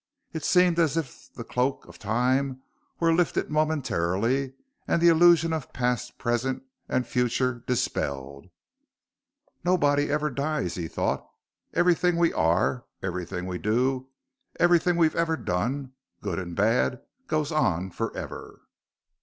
It seemed as if the cloak of Time were lifted momentarily and the illusion of past, present, and future dispelled. Nobody ever dies, he thought. _Everything we are, everything we do, everything we've ever done, good and bad, goes on forever.